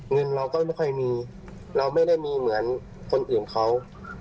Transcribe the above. เงินเราก็ไม่ค่อยมีเราไม่ได้มีเหมือนคนอื่นเขา